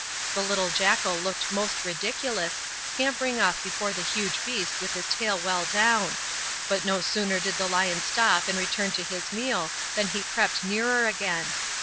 The little jackal looked most ridiculous, scampering off before the huge beast with his tail well down; but no sooner did the lion stop and return to his meal than he crept nearer again.